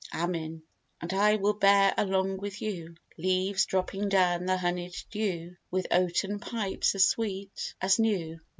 AMIN. And I will bear along with you Leaves dropping down the honied dew, With oaten pipes, as sweet, as new.